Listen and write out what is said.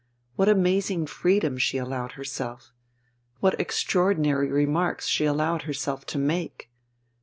What amazing freedom she allowed herself! What extraordinary remarks she allowed herself to make!